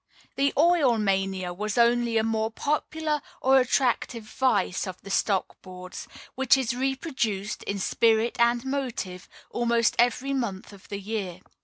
The oil mania was only a more popular or attractive vice of the stock boards, which is reproduced, in spirit and motive, almost every month of the year.